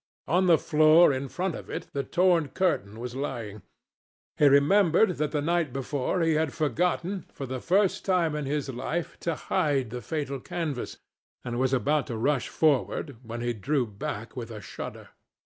On the floor in front of it the torn curtain was lying. He remembered that the night before he had forgotten, for the first time in his life, to hide the fatal canvas, and was about to rush forward, when he drew back with a shudder.